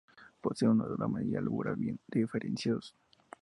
Posee un duramen y una albura bien diferenciados.